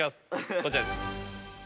こちらです。